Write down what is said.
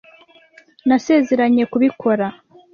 Nasezeranye kubikora.